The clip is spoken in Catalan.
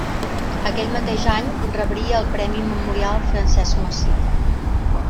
Aquell mateix any rebria el Premi Memorial Francesc Macià.